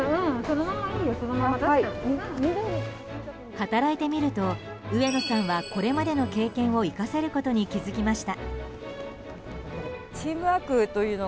働いてみると、上野さんはこれまでの経験を生かせることに気づきました。